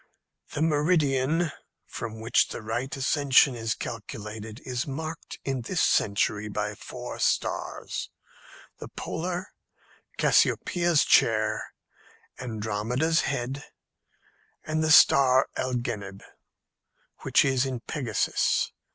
"The meridian, from which the right ascension is calculated, is marked in this century by four stars the Polar, Cassiopeia's Chair, Andromeda's Head, and the star Algenib, which is in Pegasus.